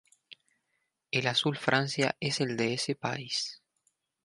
El azul Francia es el de ese país.